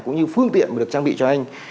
cũng như phương tiện được trang bị cho anh